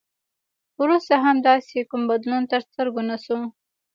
وروسته هم داسې کوم بدلون تر سترګو نه شو.